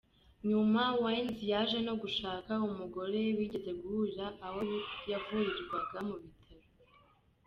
Nyuma Wiens yaje no gushaka umugore bigeze guhurira aho yavurirwaga mu bitaro.